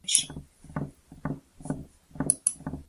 ერთ-ერთი წყაროს თანახმად სემიზ ალი-ფაშა დაიბადა ბოსნიაში.